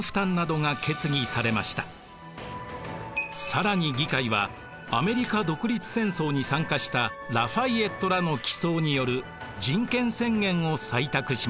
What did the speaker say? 更に議会はアメリカ独立戦争に参加したラ・ファイエットらの起草による人権宣言を採択しました。